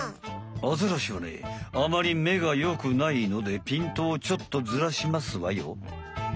アザラシはねあまり目が良くないのでピントをちょっとずらしますわよ。